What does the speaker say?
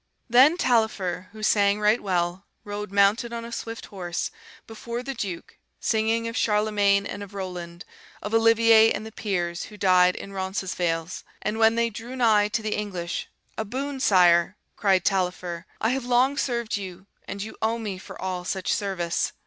"Then Taillefer, who sang right well, rode mounted on a swift horse, before the Duke, singing of Charlemagne and of Roland, of Olivier and the Peers who died in Roncesvalles, and when they drew nigh to the English, 'A boon, sire!' cried Taillefer; 'I have long served you, and you owe me for all such service.